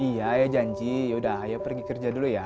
iya ayo janji yaudah ayo pergi kerja dulu ya